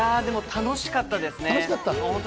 楽しかったですね。